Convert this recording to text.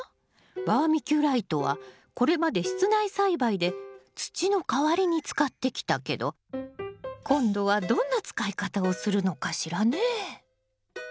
バーミキュライトはこれまで室内栽培で土の代わりに使ってきたけど今度はどんな使い方をするのかしらね。